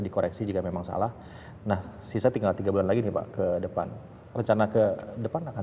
dikoreksi jika memang salah nah sisa tinggal tiga bulan lagi nih pak ke depan rencana ke depan akan